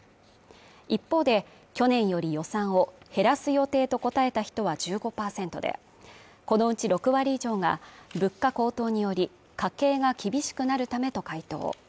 一方で、去年より予算を減らす予定と答えた人は１５％で、このうち６割以上が物価高騰により家計が厳しくなるためと回答。